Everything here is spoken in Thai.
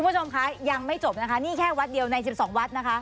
คุณผู้ชมคะยังไม่จบนะคะนี่แค่วัดเดียวใน๑๒วัดนะคะ